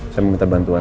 saya minta bantuan